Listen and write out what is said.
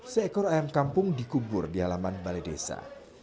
seekor ayam kampung dikubur di halaman balai desa